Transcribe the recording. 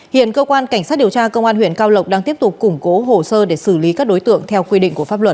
hiện cơ quan cảnh sát điều tra công an huyện cao lộc đang tiếp tục củng cố hồ sơ để xử lý các đối tượng theo quy định của pháp luật